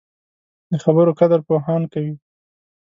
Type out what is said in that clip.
د خبرو قدر پوهان کوي